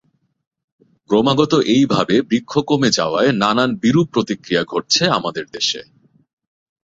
ক্রমাগত এইভাবে বৃক্ষ কমে যাওয়ায় নানান বিরূপ প্রতিক্রিয়া ঘটছে আমাদের দেশে।